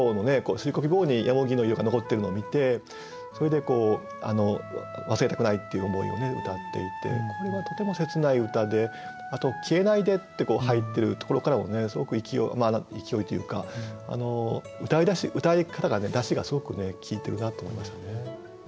すりこぎ棒にの色が残ってるのを見てそれで忘れたくないっていう思いを歌っていてこれはとても切ない歌であと「消えないで」って入ってるところからもねすごく勢いというか歌いだし歌い方がだしがすごく効いてるなと思いましたね。